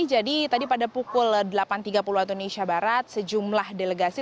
jadi tadi pada pukul delapan tiga puluh di indonesia barat sejumlah delegasi